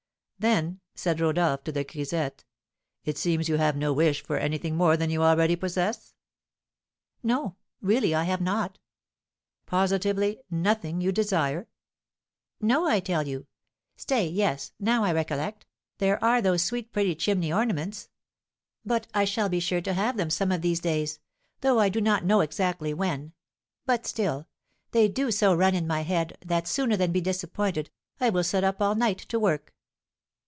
"Then," said Rodolph to the grisette, "it seems you have no wish for anything more than you already possess?" "No, really I have not." "Positively, nothing you desire?" "No, I tell you. Stay, yes, now I recollect, there are those sweet pretty chimney ornaments; but I shall be sure to have them some of these days, though I do not know exactly when; but still, they do so run in my head, that, sooner than be disappointed, I will sit up all night to work."